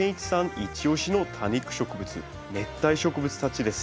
イチオシの多肉植物熱帯植物たちです。